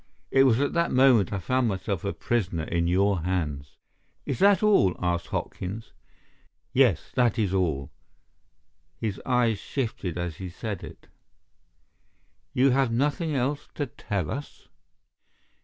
It was at that moment I found myself a prisoner in your hands." "Is that all?" asked Hopkins. "Yes, that is all." His eyes shifted as he said it. "You have nothing else to tell us?"